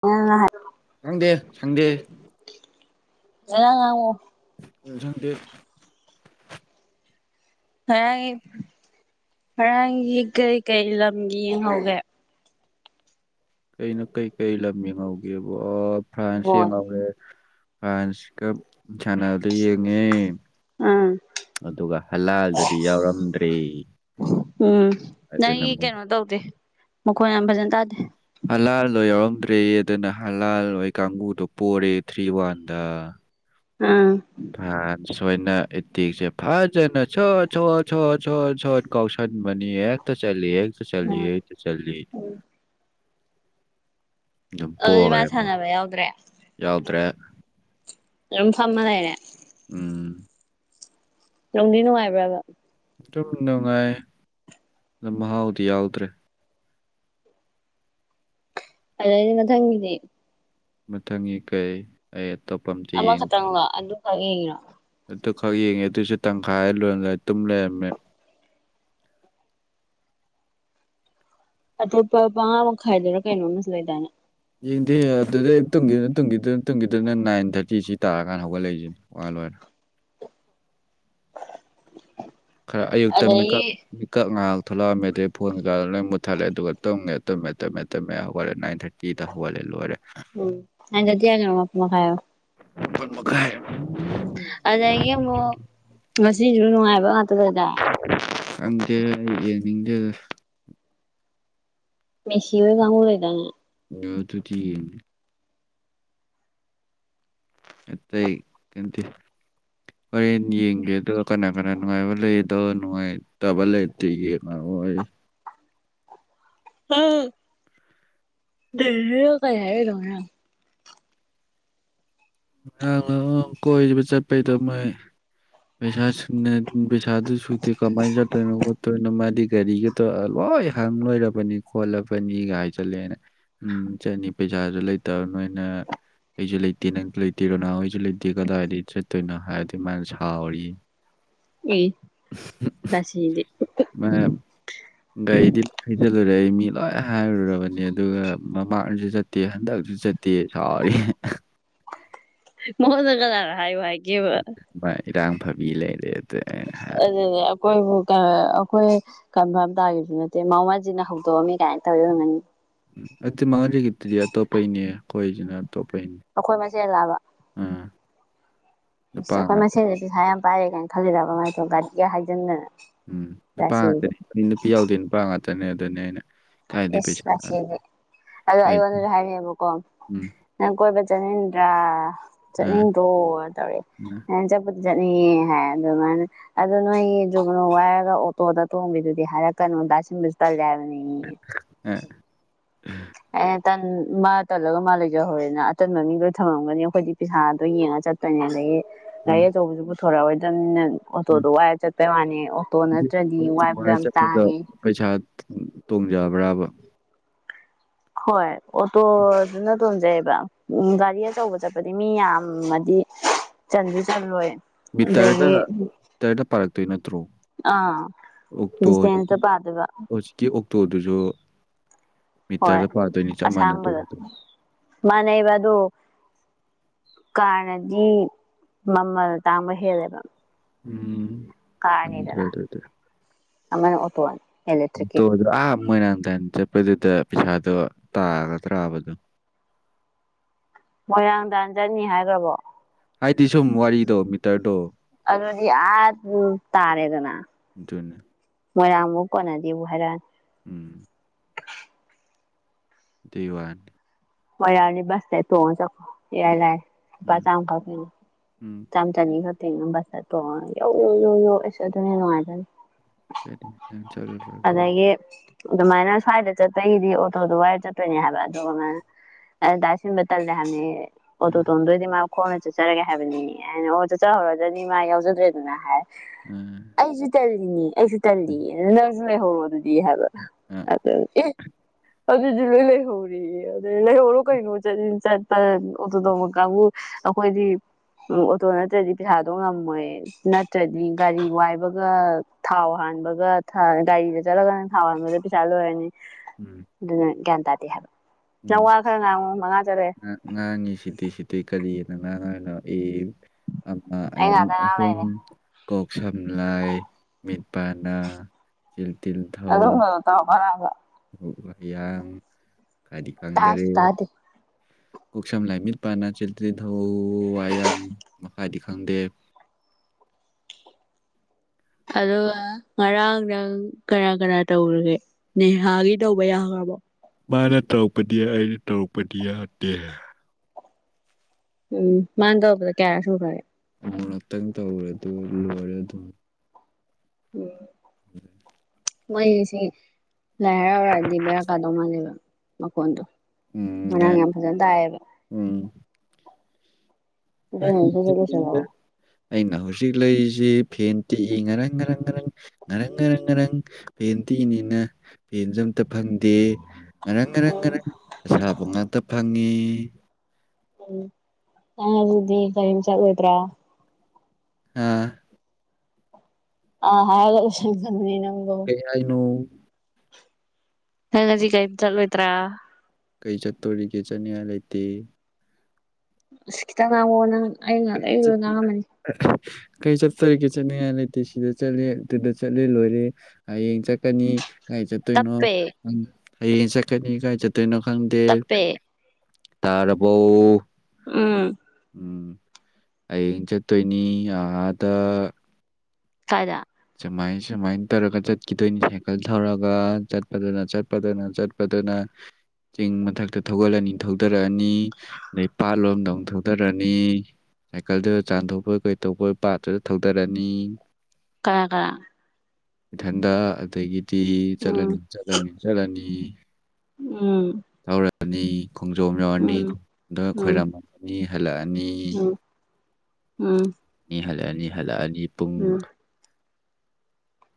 ꯉꯔꯥꯡ ꯉꯍꯥꯟ ꯈꯪꯗꯦ ꯁꯪꯗꯦ ꯐꯖꯅ ꯉꯥꯡꯉꯣ ꯅꯤꯡꯁꯪꯗꯦ ꯉꯔꯥꯡꯒꯤ ꯉꯔꯥꯡꯒꯤ ꯀꯩ ꯀꯩ ꯂꯝ ꯌꯦꯡꯍꯧꯒꯦ ꯀꯩꯅꯣ ꯀꯩꯀꯩ ꯂꯝ ꯌꯦꯡꯍꯧꯒꯦꯕꯣ ꯐ꯭ꯔꯥꯟꯁ ꯕꯣꯜ ꯌꯦꯡꯍꯧꯔꯦ ꯐ꯭ꯔꯥꯟꯁꯀ ꯁꯥꯅꯕꯗ ꯌꯦꯡꯉꯦ ꯎꯝ ꯑꯗꯨꯒ ꯍꯂꯥꯜꯗꯗꯤ ꯌꯥꯎꯔꯝꯗ꯭ꯔꯦ ꯎꯝ ꯑꯗꯨꯅ ꯅꯪꯒꯤ ꯑꯃꯨꯛ ꯀꯩꯅꯣ ꯇꯧꯗꯦ ꯃꯈꯣꯟ ꯌꯥꯝ ꯐꯖꯅ ꯇꯥꯗꯦ ꯍꯂꯥꯜꯗꯣ ꯌꯥꯎꯔꯝꯗ꯭ꯔꯦꯌꯦ ꯑꯗꯨꯅ ꯍꯂꯥꯜ ꯑꯣꯏ ꯀꯥꯡꯒꯨꯗꯣ ꯄꯣꯔꯦ ꯊ꯭ꯔꯤ ꯋꯥꯟꯗ ꯑꯥ ꯅꯣꯏꯅ ꯑꯦꯇꯦꯛꯁꯦ ꯐꯖꯅ ꯁꯣꯠ ꯁꯣꯠ ꯁꯣꯠ ꯁꯣꯠ ꯁꯣꯠ ꯀꯥꯎꯁꯟꯕꯅꯤ ꯍꯦꯛꯇ ꯆꯜꯂꯤ ꯈꯛꯇ ꯆꯜꯂꯤ ꯎꯝ ꯈꯛꯇ ꯆꯜꯂꯤ ꯑꯗꯨꯝ ꯑꯗꯨꯗꯤ ꯄꯣꯒ꯭ꯔꯦ ꯃꯥ ꯃꯣꯏ ꯁꯥꯟꯅꯕ ꯌꯥꯎꯗ꯭ꯔꯦ ꯌꯥꯎꯗ꯭ꯔꯦ ꯐꯝꯃ ꯂꯩꯔꯦ ꯎꯝ ꯅꯨꯡꯗꯤ ꯅꯨꯡꯉꯥꯏꯕ꯭ꯔꯕ ꯗꯨꯝ ꯅꯨꯡꯉꯥꯏ ꯑ ꯃꯍꯥꯎꯗꯤ ꯌꯥꯎꯗ꯭ꯔꯦ ꯑꯗꯩꯩ ꯗꯤ ꯃꯊꯪꯒꯤꯗꯤ ꯃꯊꯪꯒꯤ ꯀꯩ ꯑꯩꯌꯠ ꯑꯃ ꯈꯛꯇꯥꯡꯂꯣ ꯑꯗꯨ ꯈꯛ ꯌꯦꯡꯏ ꯔꯣ ꯑꯗꯨ ꯈꯛ ꯌꯦꯡꯉꯦ ꯑꯗꯨꯏꯁꯨ ꯇꯪꯈꯥꯏ ꯂꯣꯏꯔꯝꯗꯥꯏ ꯇꯨꯝ ꯂꯩꯔꯝꯃꯦ ꯑꯇꯣꯞꯄ ꯃꯉꯥ ꯃꯈꯥꯏꯗꯨꯔꯥ ꯀꯩꯅꯣꯝ ꯃꯥꯁꯨ ꯂꯩꯗꯥꯢꯅꯦ ꯌꯦꯡꯗꯦ ꯑꯗꯨꯗꯩ ꯇꯨꯝꯒꯤꯗꯨꯅ ꯇꯨꯝꯒꯤꯗꯨꯅ ꯇꯨꯝꯒꯤꯗꯨꯅ ꯅꯥꯏꯟ ꯊꯥꯔꯇꯤꯁꯤ ꯇꯥꯔꯀꯥꯟ ꯍꯧꯒꯠꯂꯏꯁꯤꯅꯦ ꯋꯥ ꯂꯣꯏꯔꯦ [inaudible] ꯈꯔ ꯑꯌꯨꯛꯇ ꯃꯤꯀꯞ ꯑꯗꯒꯤ ꯃꯤꯀꯞ ꯉꯥꯏꯍꯥꯛ ꯊꯣꯛꯂꯛꯑꯝꯃꯦ ꯑꯗꯨꯗꯩ ꯐꯣꯟꯀꯩꯀꯥ ꯂꯣꯏ ꯃꯨꯠꯊꯠꯂꯦ ꯑꯗꯨꯒ ꯇꯨꯝꯃꯦ ꯇꯨꯝꯃꯦ ꯇꯨꯝꯃꯦ ꯇꯨꯝꯃꯦ ꯍꯧꯒꯠꯂꯦ ꯅꯥꯏꯟ ꯊꯔꯇꯤ ꯎꯝ ꯅꯥꯟ ꯊꯥ꯭ꯔꯇꯤ ꯍꯥꯏꯅꯣ ꯃꯄꯥꯟ ꯃꯈꯥꯏ ꯍꯥꯏꯌꯣ ꯃꯄꯜ ꯃꯈꯥꯏ ꯑꯗꯒꯤ ꯑꯃꯨꯛ ꯉꯁꯤꯁꯨ ꯅꯨꯡꯉꯥꯏꯕ ꯉꯥꯛꯇ ꯂꯩꯗꯥꯏ ꯈꯪꯗꯦ ꯑꯩ ꯌꯦꯡꯅꯤꯡꯗꯦꯗ ꯃꯦꯁꯤ ꯑꯣꯏ ꯀꯥꯡꯒꯨ ꯂꯩꯗꯥꯏꯅꯦ ꯑ ꯑꯗꯨꯗꯤ ꯌꯦꯡ ꯑꯇꯩ ꯀꯟꯇꯦ ꯍꯣꯔꯦꯟ ꯌꯦꯡꯒꯦ ꯑꯗꯨꯒ ꯀꯅ ꯀꯅꯥ ꯅꯨꯡꯉꯥꯏꯕ ꯂꯩꯌꯦꯗꯣ ꯅꯨꯡꯉꯥꯏꯇꯕ ꯂꯩꯔꯇꯤ ꯌꯦꯡꯉꯔꯣꯏ ꯑ ꯗꯔꯦꯜ ꯀꯔꯤ ꯍꯥꯏꯔꯛꯏꯅꯣ ꯉꯔꯥꯡ ꯉꯔꯥꯡ ꯑꯣ ꯀꯣꯏꯕ ꯆꯠꯄꯩꯗꯣ ꯃꯣꯏ ꯄꯩꯁꯥ ꯁꯨꯅ ꯎ ꯄꯩꯁꯥꯗꯨ ꯁꯨꯗꯦ ꯀꯃꯥꯏꯅ ꯆꯠꯇꯣꯏꯅꯣ ꯈꯣꯠꯇꯣꯏꯅꯣ ꯃꯥꯗꯤ ꯒꯥꯔꯤꯒꯗꯣ ꯂꯣꯏ ꯍꯪꯂ ꯂꯣꯏꯔꯕꯅꯤ ꯈꯣꯠꯂꯕꯅꯤꯒꯥꯏ ꯖꯜꯂꯦ ꯎꯝ ꯆꯠꯅꯤ ꯄꯩ ꯁꯥꯁꯨ ꯂꯩꯇꯕ ꯅꯣꯏꯅ ꯑꯩꯁꯨ ꯂꯩꯇꯦ ꯅꯪ ꯇꯩ ꯇꯤꯔꯣꯅꯥ ꯍꯣꯏꯁꯨ ꯂꯩꯇꯦ ꯀꯗꯥꯏꯗꯒꯤ ꯆꯠꯇꯣꯏꯅꯣ ꯍꯥꯏꯕꯗꯩ ꯃꯥ ꯁꯥꯎꯔꯤ ꯏ ꯔꯥꯁꯤ ꯗꯤ ꯃꯅ ꯒꯔꯤꯗꯤ ꯍꯤꯏꯖꯜꯂꯨꯔꯦ ꯍꯥꯏ ꯃꯤ ꯂꯣꯏ ꯍꯥꯏꯔꯨꯔꯕꯅꯤ ꯑꯗꯨꯒ ꯃꯃꯥꯡꯁꯨ ꯆꯠꯇꯦ ꯍꯟꯗꯛꯁꯨ ꯆꯠꯇꯦ ꯁꯥꯎꯔꯤ [inaudible] ꯃꯉꯣꯟꯗ ꯀꯅꯥꯅ ꯍꯥꯏꯌꯣ ꯍꯥꯏꯒꯦꯕ ꯃꯥꯏ ꯏꯔꯥꯡ ꯐꯕꯤ ꯂꯩꯔꯦ ꯑꯩꯅ ꯍꯥꯏ ꯑꯗꯨꯅꯦ ꯑꯩꯈꯣꯏꯕꯨ ꯀꯅꯥ ꯑꯩꯈꯣꯏ ꯀꯟꯐꯥꯝ ꯇꯥꯈꯤꯕꯗꯨ ꯅꯠꯇꯦ ꯃꯃꯖꯤꯠꯅ ꯍꯧꯗꯣꯛꯑꯃꯤ ꯀꯥꯏꯅ ꯇꯧꯔꯤ ꯑꯣꯏꯔꯝꯒꯅꯤ ꯅꯠꯇꯦ ꯃꯉꯣꯟꯗꯒꯤ ꯂꯤꯞꯇꯤ ꯑ ꯇꯣꯞꯄꯩꯅꯦ ꯑꯩꯈꯣꯏꯖꯤꯅ ꯑꯈꯣꯏ ꯃꯁꯦꯜꯂꯕ ꯅꯨꯄꯥ ꯏꯁ ꯑꯈꯣꯏ ꯉꯥꯛꯇ ꯃꯁꯦꯜꯁꯤ ꯄꯩꯁꯥ ꯌꯥꯝ ꯄꯥꯏꯔꯦ ꯀꯥꯏꯅ ꯈꯜꯂꯤꯔꯕ ꯃꯥꯏꯗꯣ ꯒꯥꯔꯤꯒ ꯍꯥꯏꯖꯤꯟꯗꯅ ꯎꯝ ꯅꯨꯄꯥ ꯔꯥꯁꯤꯗꯤ ꯉꯥꯛꯇꯅꯤ ꯑꯩ ꯅꯨꯄꯤ ꯌꯥꯎꯗꯦ ꯅꯨꯄꯥ ꯉꯥꯛꯇꯅꯦ ꯑꯗꯨꯅꯦ ꯑꯩꯅ ꯀꯥꯏꯗꯩ ꯏꯁ ꯄꯩꯁꯥ ꯔꯥꯁꯤꯗꯤ ꯑꯗꯣ ꯀꯥꯏ ꯑꯩꯉꯣꯟꯗꯁꯨ ꯍꯥꯏꯔꯛꯑꯦꯕꯀꯣ ꯎꯝ ꯑꯩ ꯀꯣꯏꯕ ꯆꯠꯅꯤꯡ ꯥꯌꯥ ꯑꯥ ꯆꯠꯅꯤꯡꯗ꯭ꯔꯣ ꯇꯧꯔꯛꯑꯦ ꯑꯥ ꯑꯩꯅ ꯆꯠꯄ ꯆꯠꯅꯤꯡꯉꯦ ꯍꯥꯏ ꯑꯗꯨ ꯃꯥꯅ ꯑꯗꯨ ꯅꯣꯏꯒꯤ ꯖꯨꯒꯅꯣ ꯋꯥꯏꯔꯒ ꯑꯣꯇꯣꯗ ꯇꯣꯡꯕꯤꯗꯨꯗꯤ ꯍꯥꯏꯔꯛꯀꯅꯨ ꯗꯥ ꯁꯤꯃꯁ ꯇꯜꯂꯦ ꯍꯥꯏꯕꯅꯦꯌꯦ [inaudible] ꯑꯩꯅ ꯇꯟ ꯃꯥ ꯇꯜꯂꯒ ꯃꯥ ꯂꯩꯖꯍꯧꯔꯦꯅ ꯑꯇꯟꯕ ꯃꯤ ꯂꯣꯢ ꯊꯅꯝꯒꯅꯤ ꯑꯩꯈꯣꯏꯗꯤ ꯄꯩꯁꯥꯗꯣ ꯌꯦꯡ ꯆꯠꯇꯅꯤ ꯑꯗꯒꯤ ꯒꯔꯤ ꯎꯝ ꯑꯆꯧꯕꯗꯣ ꯄꯨꯊꯣꯔꯛꯑꯣꯏꯗꯝꯅꯤꯅ ꯎꯝ ꯑꯣꯇꯣꯗꯣ ꯋꯥꯏꯔ ꯆꯠꯄꯩ ꯋꯥꯅꯤ ꯑꯣꯇꯣ ꯅꯠꯇ꯭ꯔꯗꯤ ꯋꯥꯏꯕꯗ ꯋꯥꯏ ꯌꯥꯝ ꯇꯥꯡꯉꯦ ꯨꯌꯥꯕ꯭ꯔꯕ ꯍꯣꯏ ꯑꯣꯇꯣꯗꯨꯅ ꯇꯣꯡꯖꯩꯕ ꯎꯝ ꯒꯥꯔꯤ ꯑꯆꯧꯕ ꯆꯠꯄꯗꯤ ꯃꯤ ꯌꯥꯝ ꯗꯤ ꯆꯟꯁꯨ ꯆꯟꯂꯣꯏ ꯃꯤꯇꯔꯗ ꯃꯤꯇꯔꯗ ꯄꯥꯔꯛꯇꯣꯏ ꯅꯠꯇ꯭ꯔꯣ ꯑꯥ ꯑꯣꯛꯇꯣ ꯗꯤꯁꯇꯦꯟꯁꯇ ꯄꯥꯗꯣꯏꯕ ꯍꯧꯖꯤꯛꯀꯤ ꯑꯣꯛꯇꯣꯗꯨꯁꯨ ꯍꯣꯏ ꯃꯤꯇꯔꯗ ꯄꯥꯗꯣꯏꯅꯤ ꯆꯞ ꯃꯥꯟꯅꯗꯣꯏ ꯑꯁꯥꯡꯕꯗ ꯅꯠꯇ꯭ꯔꯣ ꯃꯅꯩꯕ ꯑꯗꯨ ꯀꯥꯔꯅꯗꯤ ꯃꯃꯜ ꯇꯥꯡꯕ ꯍꯦꯜꯂꯦꯕ ꯎꯝ ꯈꯪꯗ꯭ꯔꯦ ꯀꯥꯔꯅꯤꯗꯅ ꯑꯗꯨꯗꯤ ꯑꯃꯅ ꯑꯣꯛꯇꯣ ꯑꯣꯛꯇꯣꯗꯣ ꯑꯥꯞ ꯃꯣꯏꯔꯥꯡꯇꯥꯟ ꯆꯠꯄꯗꯨꯗ ꯄꯩꯁꯥꯗꯣ ꯇꯥꯒꯗ꯭ꯔꯕ ꯑꯗꯨꯝ ꯃꯣꯏꯔꯥꯡꯇꯥꯟ ꯆꯠꯅꯤ ꯍꯥꯏꯒ꯭ꯔꯕꯣ ꯍꯥꯏꯗꯤ ꯁꯨꯝ ꯋꯥꯔꯤꯗꯣ ꯃꯤꯇꯔꯗꯣ ꯑꯗꯨꯗꯤ ꯑ ꯗꯨꯝ ꯇꯥꯔꯦꯗꯅ ꯑꯗꯨꯅꯦ ꯃꯣꯏꯔꯕꯨꯛ ꯀꯣꯅꯗꯦꯕꯨ ꯍꯥꯏꯔꯛꯑꯅꯤ ꯎꯝ ꯥꯗꯨꯏ ꯋꯥꯅꯤ ꯃꯣꯏꯔꯥꯡꯗꯤ ꯕꯁꯇ ꯇꯣꯡꯉ ꯆꯠꯈꯣ ꯏꯔꯥꯏ ꯂꯥꯏꯅ ꯂꯨꯄꯥ ꯎꯝ ꯆꯥꯝ ꯀꯞꯄꯨ ꯎꯝ ꯆꯥꯝ ꯆꯅꯤ ꯈ ꯀꯩꯅꯣ ꯕꯁꯇ ꯇꯣꯡꯉ ꯌꯧ ꯌꯧ ꯌꯧ ꯑꯁ ꯑꯗꯨꯅ ꯍꯦꯟ ꯅꯨꯡꯉꯥꯏꯅꯤ [unintelligible] ꯑꯗꯨꯃꯥꯏꯅ ꯁ꯭ꯋꯥꯏꯗ ꯆꯠꯄꯒꯤꯗꯤ ꯑꯣꯇꯣꯗꯨ ꯋꯥꯏꯔ ꯆꯠꯇꯣꯏꯅꯦ ꯍꯥꯏꯕ ꯑꯗꯨꯒ ꯑ ꯗꯥ ꯁꯦꯝꯕ ꯇꯜꯂꯦ ꯍꯥꯏꯕꯅꯦꯌꯦ ꯑꯣꯇꯣ ꯎꯝ ꯇꯣꯡꯗꯣꯏꯗꯤ ꯃꯥ ꯈꯣꯡꯅ ꯆꯠꯆꯔꯒꯦ ꯍꯥꯏꯕꯅꯦꯌꯦ ꯑꯩꯅ ꯑꯣ ꯆꯠꯆꯍꯧꯔꯖꯅꯤ ꯃꯥ ꯌꯥꯎꯖꯗ꯭ꯔꯦꯗꯅ ꯍꯥꯏ ꯎꯝ ꯑꯩꯁꯨ ꯇꯜꯂꯤꯅꯤ ꯑꯩꯁꯨ ꯇꯜꯂꯤ ꯑꯗꯨ ꯅꯪꯁꯨ ꯂꯩꯍꯧꯔꯣ ꯑꯗꯨꯗꯤ ꯏ ꯍꯥꯏꯕ ꯑꯗ ꯑꯦ ꯑꯗꯨꯗꯤ ꯂꯣꯏ ꯂꯩꯍꯧꯔꯦꯌꯦ ꯑꯗꯩ ꯂꯩꯍꯧꯔꯣ ꯀꯩꯅꯣ ꯆꯠꯅꯤꯡ ꯆꯠꯄ ꯑꯣꯇꯣ ꯇꯣꯡꯕ ꯀꯥꯡꯕꯨ ꯑꯈꯣꯏꯗꯤ ꯎꯝ ꯑꯣꯇꯣ ꯅꯠꯇ꯭ꯔꯗꯤ ꯄꯩꯁꯥꯗꯣ ꯉꯝꯃꯣꯏꯌꯦ ꯅꯠꯇ꯭ꯔꯗꯤ ꯒꯥꯔꯤ ꯋꯥꯏꯕꯒ ꯊꯥꯎ ꯍꯥꯟ ꯍꯥꯟꯕꯒ ꯑ ꯒꯔꯤꯗ ꯆꯠꯂꯒꯅ ꯊꯥꯎ ꯍꯥꯟꯕꯗ ꯄꯩꯁꯥ ꯂꯣꯏꯔꯅꯤ ꯑꯗꯨꯅ ꯒ꯭ꯌꯥꯟ ꯇꯥꯗꯦ ꯍꯥꯏꯕ ꯎꯝ ꯅꯪ ꯋꯥ ꯈꯔ ꯉꯥꯡꯉꯨ ꯃꯉꯥ ꯆꯠꯂꯦ ꯉꯥꯡ ꯉꯥꯡꯉꯤ ꯁꯤꯠꯇꯦ ꯁꯤꯠꯇꯤ ꯀꯔꯤ ꯌꯦꯠꯅ ꯉꯥꯡꯉ ꯂꯥꯛꯑꯦ ꯑꯃ ꯑꯩ ꯑꯅꯤ ꯉꯥꯛꯇ ꯉꯥꯡ ꯑꯍꯨꯝ ꯂꯩꯔꯦ ꯀꯣꯛ ꯁꯝ ꯂꯥꯏ ꯃꯤꯠ ꯄ ꯅ ꯑꯗꯨꯝꯕꯗꯣ ꯇꯧꯔꯛꯀꯅꯣ ꯍꯥꯏꯕ ꯍꯨꯛ ꯎ ꯌꯥꯡ ꯈꯥꯗꯤ ꯇꯥꯁꯨ ꯈꯪꯗꯔꯦ ꯇꯥꯗꯦ ꯀꯣꯛꯁꯝ ꯂꯥꯏꯃꯤꯠ ꯄꯥꯅ ꯆꯤꯜ ꯇꯤꯟ ꯊꯧ ꯋꯥꯏ ꯌꯥꯡ ꯃꯈꯥꯗꯤ ꯈꯪꯗꯦ [inaudible] ꯑꯗꯨꯒ ꯉꯔꯥꯡꯅꯪ ꯀꯅꯥ ꯀꯅꯥ ꯇꯧꯒ꯭ꯔꯒꯦ ꯅꯦꯍꯥꯒꯤ ꯇꯧꯕ ꯌꯥꯈ꯭ꯔꯕꯣ ꯃꯥꯅ ꯇꯧꯔꯛꯄꯗꯤ ꯑꯩꯅ ꯇꯧꯔꯛꯄꯗꯤ ꯌꯥꯗꯦ ꯎꯝ ꯃꯥꯅ ꯇꯧꯔꯛꯄꯗ ꯀꯌꯥꯔꯛ ꯁꯨꯈ꯭ꯔꯒꯦ ꯑꯃꯨꯔꯛꯇꯪ ꯇꯧꯔꯦ ꯗꯨꯒ ꯂꯣꯏꯔꯦ ꯑꯗꯨꯝ [inaudible] [inaudible] ꯃꯣꯏ ꯉꯁꯤ ꯂꯥꯏ ꯍꯔꯥꯎꯔꯗꯤ ꯕꯦꯔꯥ ꯀꯥꯗꯧ ꯃꯥꯜꯂꯦꯕ ꯃꯈꯣꯟꯗꯣ ꯎꯝ ꯉꯔꯥꯡ ꯌꯥꯝ ꯐꯖꯟ ꯇꯥꯏꯌꯦꯕ ꯎꯝ ꯑꯗꯨꯅ ꯁꯠ ꯁꯠ ꯂꯣꯏꯁꯤꯜꯂꯣ [unintelligible] ꯑꯩꯅ ꯍꯧꯖꯤꯛ ꯂꯩꯔꯤꯁꯤ ꯐꯦꯟ ꯇꯤꯛꯏ ꯉꯔꯪꯉꯔꯪ ꯉꯔꯪ ꯉꯔꯪ ꯉꯔꯪ ꯉꯔꯪ ꯐꯦꯟ ꯇꯤꯛꯏꯅꯤꯅ ꯐꯦꯟꯁꯨ ꯑꯝꯇ ꯐꯪꯗꯦ ꯉꯔꯪ ꯉꯔꯪ ꯉꯔꯪ ꯑꯁꯥꯥꯕ ꯉꯥꯛꯇ ꯐꯪꯉꯤ ꯎꯝ ꯅꯪꯪꯗꯤ ꯀꯔꯤꯝ ꯆꯠꯂꯣꯏꯗ꯭ꯔ ꯑꯥ ꯑꯍꯥꯏ [unintelligible] ꯀꯩ ꯍꯥꯏꯅꯣ ꯅꯪ ꯉꯁꯤ ꯀꯩꯝ ꯆꯠꯂꯣꯏꯇ꯭ꯔ ꯀꯩ ꯆꯠꯇꯣꯔꯤꯒꯦ ꯆꯠꯅꯤꯡꯉꯥꯏ ꯂꯩꯇꯦ ꯑꯁꯤꯈꯤꯇꯪ ꯅꯪꯉꯣꯟꯗ [unintelligible] ꯀꯩ ꯆꯠꯇꯣꯔꯤꯒꯦ ꯆꯠꯅꯤꯡꯉꯥꯏ ꯂꯩꯇꯦ ꯁꯤꯗ ꯆꯠꯂꯤ ꯑꯗꯨꯗ ꯆꯠꯂꯦ ꯂꯣꯏꯔꯦ ꯍꯌꯦꯡ ꯆꯠꯀꯅꯤ ꯀꯥꯏ ꯆꯠꯇꯣꯏꯅꯣ ꯇꯞꯄꯦ ꯍꯌꯦꯡ ꯆꯠꯀꯅꯤ ꯀꯥꯏ ꯆꯠꯇꯣꯏꯅꯣ ꯈꯪꯗꯦ ꯇꯞꯄꯦ ꯇꯥꯔꯕꯣ ꯎꯝ ꯎꯝ ꯍꯌꯦꯡ ꯆꯠꯇꯣꯏꯅꯤ ꯑꯥꯗ ꯀꯥꯏꯗ ꯁꯃꯥꯏ ꯁꯨꯃꯥꯏ ꯇꯧꯔꯒ ꯆꯠꯈꯤꯗꯣꯏꯅꯤ ꯁꯥꯏꯀꯜ ꯊꯧꯔꯒ ꯆꯠꯄꯗꯨꯅ ꯆꯠꯄꯗꯨꯅ ꯆꯠꯄꯗꯨꯅ ꯆꯤꯡ ꯃꯊꯛꯇ ꯊꯧꯒꯠꯂꯅꯤ ꯊꯧꯗꯔꯛꯑꯅꯤ ꯑꯗꯩ ꯄꯥꯠꯂꯣꯝꯗ ꯑꯃꯨꯛ ꯊꯧꯗꯔꯛꯑꯅꯤ ꯁꯥꯏꯀꯜꯗ ꯆꯥꯟꯊꯣꯛꯄꯣꯏ ꯀꯩꯊꯣꯛꯄꯣꯏ ꯄꯥꯠꯇꯨꯗ ꯊꯧꯗꯔꯅꯤ ꯀꯅꯥ ꯀꯅꯥ ꯏꯊꯟꯗ ꯑꯗꯒꯤꯗꯤ ꯆꯠꯂꯅꯤ ꯎꯝ ꯆꯠꯂꯅꯤ ꯆꯠꯂꯅꯤ ꯎꯝ ꯅꯤ ꯈꯣꯡꯖꯣꯝ ꯌꯧꯔꯅꯤ ꯎꯝ ꯈꯣꯝ ꯎꯝ ꯈꯣꯏꯔꯝꯃꯅꯤ ꯍꯜꯂꯛꯑꯅꯤ ꯎꯝ ꯎꯝ ꯑꯅꯤ ꯍꯜꯂꯛꯑꯅꯤ ꯎꯝ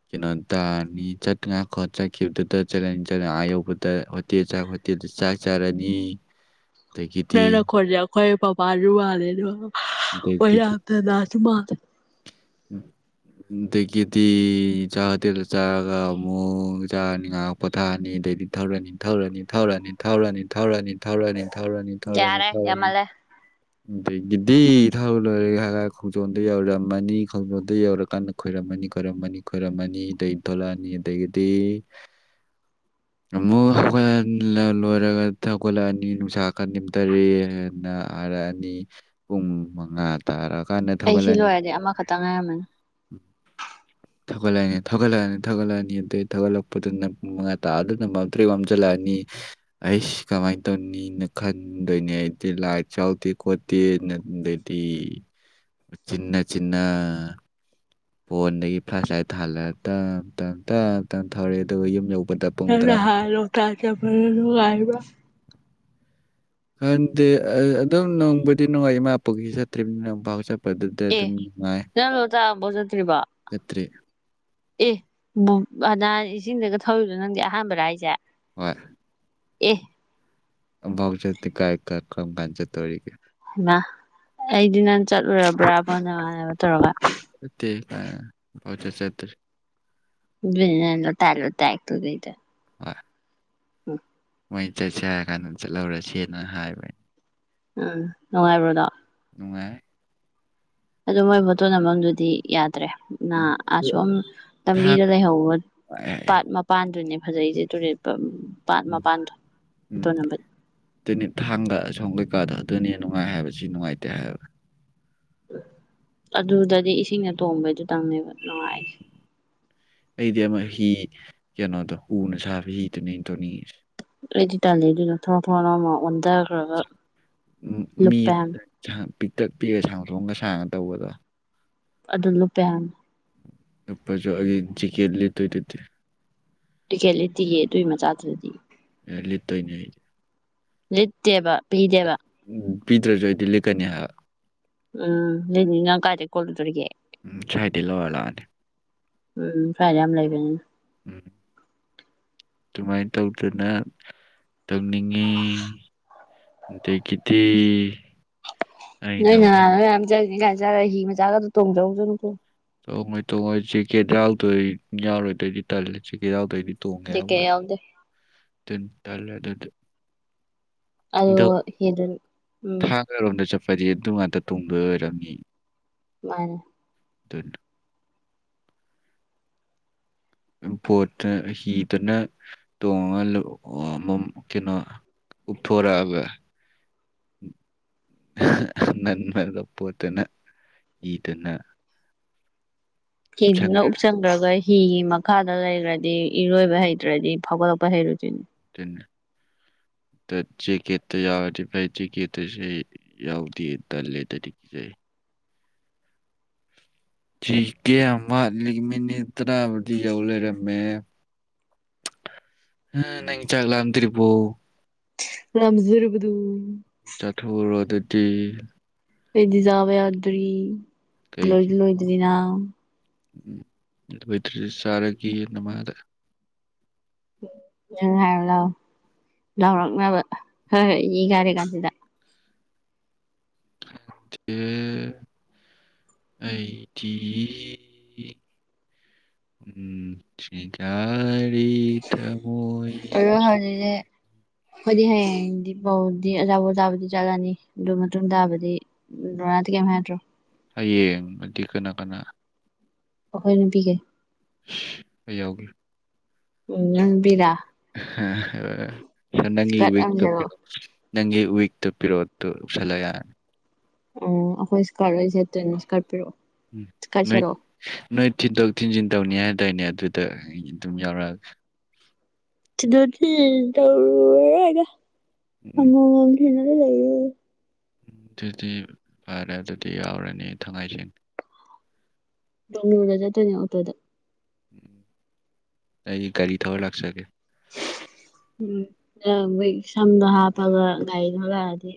ꯀꯩꯅꯣꯇꯥꯅꯤ ꯆꯠꯉꯥꯏ ꯈꯣꯠ ꯆꯠꯈꯤꯕꯗꯨꯗ ꯆꯂꯥꯅꯤ ꯆꯠ ꯑ ꯌꯧꯕꯗ ꯍꯣꯇꯤ ꯆꯥꯛ ꯇꯦꯗꯨ ꯆꯥꯛ ꯆꯥꯔꯅꯤ [inaudible] ꯑꯗꯒꯤꯗꯤ ꯅꯪ ꯅꯈꯣꯟꯖꯦ ꯑꯩꯈꯣꯏ ꯄꯥꯄꯥꯁꯨ ꯃꯥꯜꯂꯦ ꯗꯨꯒ ꯑꯣꯏꯅꯥꯝ ꯑꯗꯒꯤꯗꯤ ꯗꯥꯗꯥꯖꯨ ꯃꯥꯜꯂꯦ [inaudible] ꯑꯗꯒꯤꯗꯤ ꯆꯥꯛ ꯍꯇꯦꯜꯗ ꯆꯥꯔꯒ ꯑꯃꯨꯛ ꯆꯥꯔꯅꯤ ꯉꯍꯥꯛ ꯄꯣꯊꯥꯔꯅꯤ ꯑꯗꯩꯗꯤ ꯊꯧꯔꯅꯤ ꯊꯧꯔꯅꯤ ꯊꯧꯔꯅꯤ ꯊꯧꯔꯅꯤ ꯊꯧꯔꯅꯤ ꯊꯧꯔꯛꯑꯅꯤ ꯊꯧꯔꯅꯤ ꯊꯧꯔꯅꯤ ꯌꯥꯔꯦ ꯊꯧꯔꯅꯤ ꯌꯥꯝꯃꯜꯂꯦ ꯑꯗꯒꯤꯗꯤ ꯊꯥꯎ ꯂꯣꯏꯔꯦ ꯍꯥꯏ ꯈꯣꯡꯖꯣꯝꯗ ꯌꯧꯔꯝꯃꯅꯤ ꯈꯣꯡꯖꯣꯝꯗ ꯌꯧꯔꯀꯥꯟꯗ ꯈꯣꯏꯔꯝꯃꯅꯤ ꯈꯣꯏꯔꯝꯃꯅꯤ ꯈꯣꯏꯔꯝꯃꯅꯤ ꯑꯗꯩ ꯊꯣꯛꯂꯛꯑꯅꯤ ꯑꯗꯩꯒꯤꯗꯤ [unintelligible] ꯑꯃꯨꯛ ꯍꯧꯒꯠ ꯂꯣꯏꯔꯒ ꯍꯧꯒꯠꯂꯛꯑꯅꯤ ꯅꯨꯡꯁꯥ ꯀ ꯅꯤꯝꯗꯥꯔꯦ ꯍꯥꯢꯅ ꯈꯔ ꯑꯅꯤ ꯄꯨꯡ ꯃꯉꯥ ꯇꯥꯔꯛ ꯑꯩ ꯁꯤ ꯂꯣꯏꯔꯗꯤ ꯑꯃꯈꯛꯇꯪ ꯉꯥꯏꯔꯝꯃꯅꯤ ꯊꯧꯒꯠꯂꯛꯑꯅꯤ ꯊꯧꯒꯠꯂꯛꯑꯅꯤ ꯊꯧꯒꯠꯂꯛꯑꯅꯤ ꯑꯗꯩ ꯊꯧꯒꯠꯂꯛꯄꯗꯨꯅ ꯄꯨꯡ ꯃꯉꯥ ꯇꯥ ꯑꯗꯨꯅ ꯃꯝꯇ꯭ꯔꯤꯛ ꯃꯝꯁꯤꯜꯂꯛꯑꯅꯤ ꯑꯩꯁ ꯀꯃꯥꯏꯅ ꯇꯧꯅꯤꯅ ꯈꯟꯗꯣꯏꯅꯦ ꯑꯩꯗꯤ ꯂꯥꯏꯠꯁꯨ ꯌꯥꯎꯗꯦ ꯈꯣꯠꯇꯦꯅ ꯗꯦꯗꯤ ꯆꯤꯟꯅ ꯆꯤꯟꯅ ꯐꯣꯟꯗꯒꯤ ꯐ꯭ꯂꯥꯁ ꯂꯥꯏꯠ ꯊꯥꯜꯂ ꯇꯝ ꯇꯝ ꯇꯝ ꯇꯝ ꯊꯧꯔꯛꯑꯦ ꯑꯗꯨꯒ ꯌꯨꯝ ꯌꯧ ꯅꯪ ꯅꯍꯥꯟ ꯂꯣꯇꯥꯛ ꯆꯠꯄꯗꯣ ꯅꯨꯡꯉꯥꯏꯕ꯭ꯔꯣ ꯈꯟꯗꯦ ꯑꯗꯨꯝ ꯅꯨꯡꯕꯨꯗꯤ ꯅꯨꯡꯉꯥꯏ ꯏꯃꯥꯄꯣꯛꯀꯤ ꯆꯠꯇ꯭ꯔꯤꯝꯅꯤꯅ ꯄꯥꯎ ꯆꯠ ꯗꯨꯗ ꯑꯦ ꯑꯗꯨꯝ ꯅꯨꯡꯉꯥꯏ ꯅꯪ ꯂꯣꯛꯇꯥꯛ ꯑꯝꯕꯧ ꯆꯠꯇ꯭ꯔꯤꯕꯣ ꯅꯠꯇ꯭ꯔꯤ ꯑꯦ ꯕꯣ ꯑꯅꯥ ꯏꯁꯤꯡꯗꯒ ꯊꯧꯔꯤꯔꯣ ꯅꯪꯗꯤ ꯑꯍꯥꯟꯕꯔꯥ ꯍꯥꯏꯁꯦ ꯑꯣꯏ ꯑꯦ ꯥꯑꯝꯕꯥꯎ ꯆꯠꯇꯦ ꯀꯥꯏ ꯀ꯭ꯔꯝ ꯀꯥꯟ ꯆꯠꯇꯣꯔꯤꯒꯦ ꯍꯩꯃꯥ ꯑꯩꯗꯤ ꯅꯪ ꯆꯠꯂꯨꯔꯕ꯭ꯔꯥ ꯕꯨꯅ ꯇꯧꯔꯒ [unintelligible] ꯗꯨꯏꯅꯦ ꯅꯪ ꯂꯣꯇꯥꯛ ꯂꯣꯇꯥꯛ ꯇꯣꯂꯩꯗꯣ ꯍꯣꯏ [unintelligible] ꯃꯣꯏ ꯆꯠꯁꯦ ꯍꯥꯏꯔ ꯀꯥꯟꯗ ꯆꯠꯍꯧꯔꯁꯦꯅ ꯍꯥꯏꯕ ꯑꯩꯅ ꯎꯝ ꯅꯨꯡꯉꯥꯏꯕ꯭ꯔꯣꯗꯣ ꯅꯨꯡꯉꯥꯏ ꯑꯗꯨ ꯃꯣꯏ ꯐꯣꯇꯣ ꯅꯝꯕꯝꯗꯨꯗꯤ ꯌꯥꯗ꯭ꯔꯦ ꯅ ꯑꯁꯣꯝ ꯊꯥꯡ ꯂꯝꯕꯤꯗ ꯂꯩꯍꯧꯕ ꯄꯥꯠ ꯃꯄꯥꯟꯗꯨꯅꯦ ꯐꯖꯩꯁꯦ ꯇꯨꯔꯦꯠ ꯄꯝ ꯎꯝ ꯎꯝ ꯇꯅꯤ ꯊꯥꯡꯒ ꯑꯁꯣꯝ ꯀꯩꯀꯥꯗ ꯑꯗꯨꯅꯦ ꯅꯨꯡꯉꯥꯏ ꯍꯥꯏꯕ ꯁꯤ ꯅꯨꯡꯉꯥꯏꯇꯦ ꯍꯥꯏꯕ ꯑꯗꯨꯗꯗꯤ ꯏꯁꯤꯡꯅ ꯇꯣꯡꯕꯩꯗꯨꯇꯪꯅꯦꯕ ꯅꯨꯡꯉꯥꯏꯁꯦ ꯑꯩꯗꯤ ꯑꯃ ꯍꯤ ꯀꯩꯅꯣꯗꯣ ꯎꯅ ꯁꯥꯕ ꯍꯤꯗꯨꯅꯦ ꯑꯩꯅ ꯇꯣꯡꯅꯤꯡꯉꯤꯁꯦ ꯑꯩꯗꯤ ꯇꯥꯂꯦ ꯑꯗꯨꯅ ꯊꯔꯣ ꯊꯔꯣ ꯅꯣꯝꯃ ꯑꯣꯟꯊꯥꯈ꯭ꯔꯒ ꯃꯤ ꯄꯤꯛꯇꯛ ꯄꯤꯛꯒ ꯁꯥꯡ ꯊꯣꯡꯒ ꯁꯥꯡꯉ ꯇꯧꯕꯗ ꯑꯗꯨ ꯂꯨꯝꯄꯦ ꯍꯥꯏꯕꯅꯦ ꯂꯨꯞꯄꯁꯨ ꯑꯩꯒꯤ ꯖꯤꯀꯦꯠ ꯂꯤꯠꯇꯣꯏꯗꯨꯗꯤ ꯖꯤꯀꯦꯠ ꯂꯩꯇꯤꯑꯦ ꯑꯇꯨꯏ ꯃꯆꯥꯥꯗꯨꯗꯗꯤ ꯂꯤꯠꯇꯣꯏꯅꯤ ꯑꯩ ꯂꯤꯠꯇꯦꯕ ꯄꯤꯗꯦꯕ ꯄꯤꯗ꯭ꯔꯁꯨ ꯑꯩꯗꯤ ꯂꯤꯠꯀꯅꯤ ꯍꯥꯏꯕ ꯎꯝ ꯂꯤꯠꯅꯤ ꯅꯪ ꯀꯥꯏꯗꯒꯤ ꯀꯣꯠꯂꯨꯗꯧꯔꯤꯒꯦ ꯎꯝ ꯁ꯭ꯋꯥꯏꯗꯩ ꯂꯧꯔ ꯂꯥꯛꯑꯅꯤ ꯎꯝ ꯁꯋꯥꯏꯗ ꯌꯥꯝ ꯂꯩꯕꯅꯤꯅ ꯎꯝ ꯑꯗꯨꯃꯥꯏꯅ ꯇꯧꯗꯨꯅ ꯇꯧꯅꯤꯡꯉꯤ ꯑꯗꯒꯤꯗꯤ ꯅꯣꯏ ꯑꯩꯅ ꯅ ꯅꯣꯏ ꯌꯥꯝ ꯆꯅꯤ ꯀꯥꯏ ꯆꯥꯔ ꯍꯤ ꯃꯆꯥꯒ ꯑꯗꯨ ꯇꯣꯡꯖꯧꯁꯅꯨꯀꯣ ꯇꯣꯡꯉꯣꯏ ꯇꯣꯡꯉꯣꯏ ꯖꯤꯀꯦꯠ ꯌꯥꯎꯗꯣꯏ ꯌꯥꯎꯔꯣꯏꯗꯣꯏꯗꯤ ꯇꯜꯂꯦ ꯖꯤꯀꯦꯠꯀꯦꯠ ꯌꯥꯎꯗꯣꯏꯗꯤ ꯖꯦꯛꯀꯦꯠ ꯌꯥꯎꯗꯦ ꯇꯦꯟ ꯇꯂꯦ ꯑꯗꯨꯗꯤ ꯑꯂꯣ ꯑꯗꯣ ꯇꯤꯗꯨꯟ ꯎꯝ ꯐꯗꯤ ꯑꯗꯨ ꯉꯥꯛꯇ ꯇꯣꯡꯕ ꯑꯣꯏꯔꯝꯅꯤ ꯃꯥꯅꯦ ꯗꯨꯅꯦ ꯄꯣꯠꯇ ꯍꯤꯗꯨꯅ ꯇꯣꯡꯉꯒ ꯂꯨꯄ ꯑꯣ ꯃꯣ ꯀꯩꯅꯣ ꯎꯄꯊꯣꯛꯔꯛꯑꯒ [inaudible] ꯍ ꯍ ꯅꯪꯅ ꯑꯗꯨꯝ ꯄꯣꯠꯇꯨꯅ ꯏꯗꯅ ꯍꯤꯗꯨꯅ ꯎꯞꯁꯟꯈ꯭ꯔꯒ ꯍꯤꯒꯤ ꯃ ꯃꯈꯥꯗ ꯂꯩꯈ꯭ꯔꯗꯤ ꯏꯔꯣꯏꯕ ꯍꯩꯇ꯭ꯔꯗꯤ ꯐꯥꯎꯒꯠꯂꯛꯄ ꯍꯩꯔꯣꯢꯗꯣꯏꯅꯤ [inaudible] ꯇ ꯖꯦꯛꯀꯦꯠꯇ ꯌꯥꯎꯔꯗꯤ ꯐꯩ ꯖꯦꯛꯀꯦꯠꯇꯁꯨꯦ ꯌꯥꯎꯗꯦ ꯇꯜꯂꯦ ꯑꯗꯨꯗꯤ ꯏꯆꯦ [inaudible] [inaudible] ꯊꯤ ꯀꯦ ꯑꯃ ꯃꯤꯅꯤꯠ ꯇꯔꯥꯕꯨꯗꯤ ꯌꯧ ꯂꯩꯔꯝꯃꯦ ꯎ ꯅꯪ ꯆꯥꯡꯂꯥꯝꯗ꯭ꯔꯤꯕꯣ ꯂꯥꯝꯖꯥꯔꯕꯗꯣ ꯆꯠꯊꯣꯎꯔꯣ ꯑꯗꯨꯗꯤ ꯑꯩꯗꯤ ꯆꯥꯕꯌꯗ꯭ꯔꯤ ꯂꯣꯏꯗꯤ ꯂꯣꯏꯗ꯭ꯔꯤꯅ ꯑꯝ ꯑꯗꯨ ꯑꯣꯢꯗꯔꯁꯨ ꯆꯥꯔꯒꯦ ꯅꯃꯥꯗ ꯎ ꯅꯪ ꯍꯥꯏꯔꯨꯂꯥꯎ ꯂꯥꯎꯔꯛꯅꯕ ꯈꯔ ꯌꯦꯡ ꯌꯥꯔꯤꯀꯥꯟꯖꯤꯗ ꯁꯦ [inaudible] ꯑꯩꯗꯤ ꯎꯝ ꯁꯤꯀ ꯔꯤ ꯊꯃꯣꯏ ꯍꯣꯏꯗꯤ ꯍꯌꯦꯡꯗꯤ ꯄꯥꯎꯗꯤ ꯑꯖꯥꯄꯣꯠ ꯆꯥꯕꯗꯤ ꯆꯔꯛꯑꯅꯤ ꯑꯗꯨ ꯃꯇꯨꯡ ꯇꯥꯕꯗꯤ ꯕ꯭ꯔꯥ ꯍꯥꯟꯗꯤ ꯀꯩꯝ ꯍꯥꯏꯔꯛꯇ꯭ꯔꯣ ꯍꯌꯦꯡꯕꯗꯤ ꯀꯅꯥ ꯀꯅꯥ ꯑꯩꯈꯣꯏ ꯅꯨꯄꯤꯒꯩ ꯑꯩ ꯌꯥꯎꯒꯦ ꯎꯝ ꯅꯪꯕꯤꯔ ꯍ ꯍ ꯁꯦ ꯅꯪꯒꯤ ꯏꯁꯀꯔꯠ ꯑꯃ ꯋꯤꯛꯇꯣ ꯄꯤꯔꯛꯑꯣ ꯁꯦꯠꯂꯛꯑꯣ ꯁꯦ ꯅꯪꯒꯤ ꯋꯠꯇꯣ ꯄꯤꯔꯣꯛꯑꯣ ꯑꯗꯨ ꯎꯄꯁꯟꯂ ꯌꯥꯔ ꯎꯝ ꯑꯩꯈꯣꯏ ꯁꯀꯔꯠ ꯂꯣꯏꯅ ꯁꯦꯠꯇꯣꯏꯅꯤ ꯁꯀꯔꯠ ꯄꯤꯔꯛꯑꯣ ꯎꯝ ꯅꯣꯏ ꯀꯥꯏꯁꯦꯔꯣ ꯅꯣꯏ ꯊꯤꯟꯗꯣꯛ ꯊꯤꯟꯖꯤꯟ ꯇꯧꯅꯤ ꯍꯥꯏꯗꯥꯏꯅꯦ ꯑꯗꯨꯗ ꯑꯩ ꯑꯗꯨꯝ ꯌꯥꯎꯔꯛꯑꯒꯦ ꯇꯤꯟꯗꯣꯛ ꯇꯤꯡꯖꯤꯟ [unintelligible] ꯎꯝ ꯑꯃꯃꯝꯅꯤ [unintelligible] ꯎꯝ ꯑꯗꯨꯗꯤ ꯐꯔꯦ ꯑꯗꯨꯗꯤ ꯌꯥꯎꯔꯅꯤ ꯊꯥꯡꯍꯩꯁꯦꯡꯅ [unintelligible] ꯆꯠꯇꯣꯏꯅꯦ ꯑꯣꯛꯇꯣꯗ ꯑꯩ ꯒꯥꯔꯤ ꯊꯧꯔ ꯂꯥꯛꯆꯒꯦ ꯎꯝ ꯃꯣꯏ ꯁꯝ ꯍꯥꯞꯄꯒ ꯒꯥꯔꯤ ꯊꯧꯔꯒ ꯂꯥꯛꯑꯗꯤ